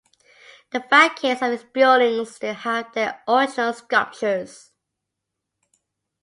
The facades of these buildings still have their original sculptures.